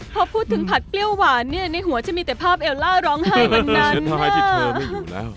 พอพูดถึงผัดเปรี้ยวหวานเนี่ยในหัวจะมีแต่ภาพเอลล่าร้องไห้วันนั้นน่ะ